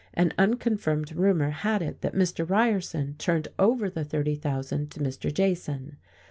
An unconfirmed rumour had it that Mr. Ryerson turned over the thirty thousand to Mr. Jason.